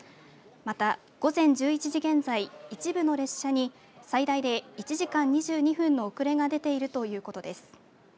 また、午前１１時現在一部の列車に最大で１時間２２分の遅れが出ているということです。